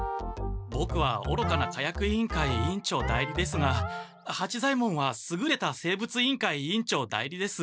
ボクはおろかな火薬委員会委員長代理ですが八左ヱ門はすぐれた生物委員会委員長代理です。